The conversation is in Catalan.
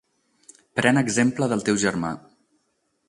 Pren exemple del teu germà.